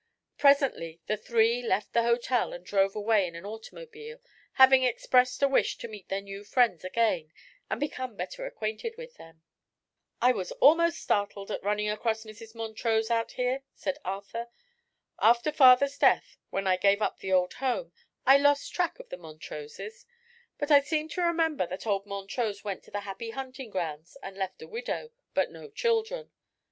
Presently the three left the hotel and drove away in an automobile, having expressed a wish to meet their new friends again and become better acquainted with them. "I was almost startled at running across Mrs. Montrose out here," said Arthur. "After father's death, when I gave up the old home, I lost track of the Montroses; but I seem to remember that old Montrose went to the happy hunting grounds and left a widow, but no children.